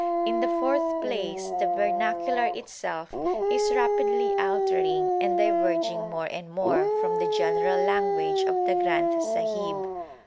In the fourth place, the vernacular itself is rapidly altering and diverging more and more from the general language of the Granth Sahib.